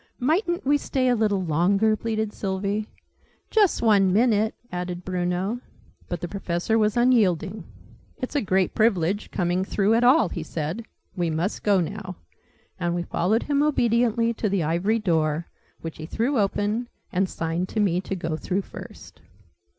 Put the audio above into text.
"Mightn't we stay a little longer!" pleaded Sylvie. "Just one minute!" added Bruno. But the Professor was unyielding. "It's a great privilege, coming through at all," he said. "We must go now." And we followed him obediently to the Ivory Door, which he threw open, and signed to me to go through first.